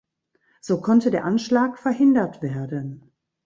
So konnte der Anschlag verhindert werden.